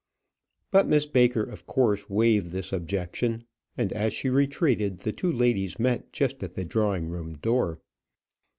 But Miss Baker of course waived this objection, and as she retreated, the two ladies met just at the drawing room door.